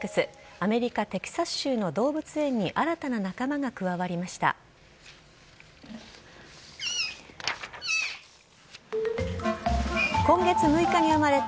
アメリカ・テキサス州の動物園に新たな仲間が加わりました。